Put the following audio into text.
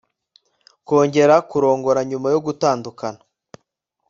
kongera kurongora nyuma yo gutandukana